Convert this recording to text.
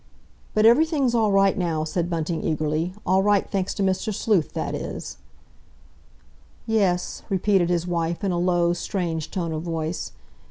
"But everything's all right now," said Bunting eagerly, "all right, thanks to Mr. Sleuth, that is." "Yes," repeated his wife, in a low, strange tone of voice.